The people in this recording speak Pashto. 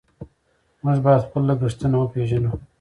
موږ باید خپل لګښتونه وپېژنو.